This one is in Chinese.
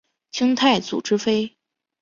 清太祖之妃。